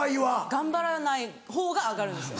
頑張らないほうが上がるんですよ。